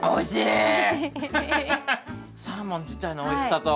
おいしい！